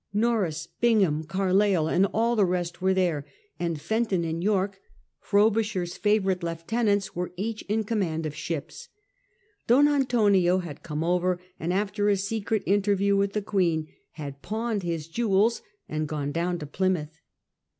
Norreys, Bingham, Carleill,<'and all the rest were there, and Fenton and Yorke, Frobisher's favourite lieutenants, were each in command of ships. Don Antonio had come over, and after a secret interview with the Queen had pawned his jewels and gone down to Plymouth.